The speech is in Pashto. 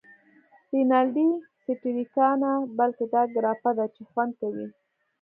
رینالډي: سټریګا نه، بلکې دا ګراپا ده چې خوند کوی.